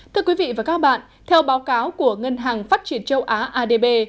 thưa quý vị và các bạn theo báo cáo của ngân hàng phát triển châu á adb